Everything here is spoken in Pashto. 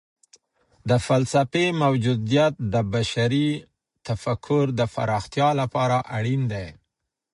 د فلسفې موجودیت د بشري تفکر د پراختیا لپاره اړین دی.